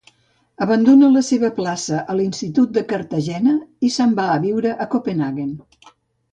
Abandona la seva plaça a l'Institut de Cartagena i se’n va a viure a Copenhaguen.